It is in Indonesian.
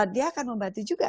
dia akan membantu juga